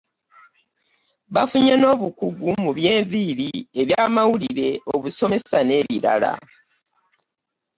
Bafunye n'obukugu mu by'enviiri, eby'amawulire, obusomesa n'ebirala